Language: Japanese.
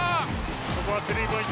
ここはスリーポイント。